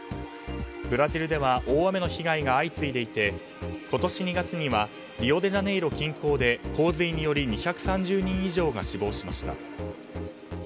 ブラジルでは大雨の被害が相次いでいて今年２月にはリオデジャネイロ近郊で洪水により２３０人以上が死亡しました。